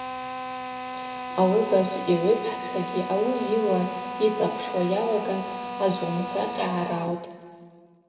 Алыгажв йгӏвыпхӏчвагьи ауи йыла йыцӏапшуа йалаган ажвгӏвымсакъьа гӏараутӏ.